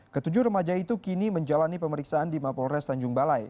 ketujuh remaja itu kini menjalani pemeriksaan di mapolres tanjung balai